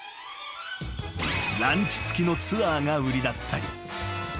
［ランチ付きのツアーが売りだったり］